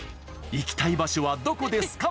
行きたい場所はどこですか？